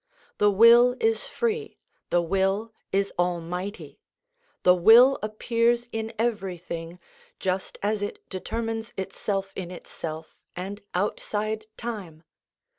The will is free, the will is almighty. The will appears in everything, just as it determines itself in itself and outside time.